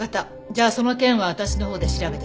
じゃあその件は私のほうで調べてみる。